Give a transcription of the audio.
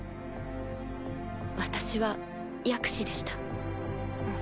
私は薬指でした。